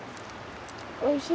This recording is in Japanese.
おいしい？